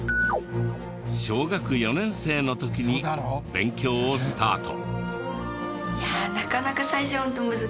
小学４年生の時に勉強をスタート。